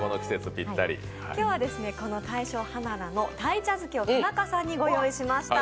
今日は鯛匠ＨＡＮＡＮＡの鯛茶漬けを田中さんにご用意しました。